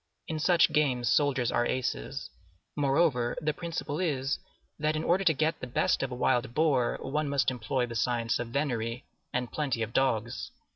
In such games soldiers are aces. Moreover, the principle is, that in order to get the best of a wild boar, one must employ the science of venery and plenty of dogs.